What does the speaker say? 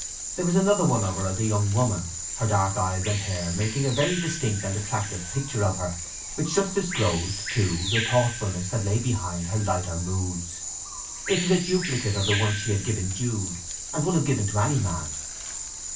There was another of her as a young woman, her dark eyes and hair making a very distinct and attractive picture of her, which just disclosed, too, the thoughtfulness that lay behind her lighter moods. It was a duplicate of the one she had given Jude, and would have given to any man.